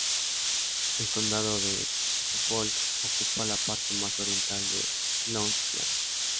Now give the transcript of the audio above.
El condado de Suffolk ocupa la parte más oriental de Long Island.